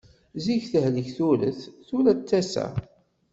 Zik tehlek turet, tura d tasa.